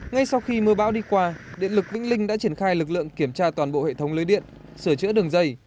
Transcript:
ngay sau khi mưa bão đi qua điện lực vĩnh linh đã triển khai lực lượng kiểm tra toàn bộ hệ thống lưới điện sửa chữa đường dây